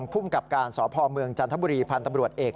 ภูมิกับการสพเมืองจันทบุรีพันธ์ตำรวจเอก